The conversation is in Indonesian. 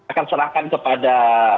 akan serahkan kepada